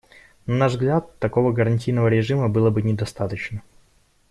На наш взгляд, такого гарантийного режима было бы недостаточно.